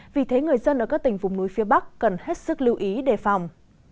vì thế người dân ở các tỉnh vùng núi phía bắc cần hết sức lưu ý đề phòng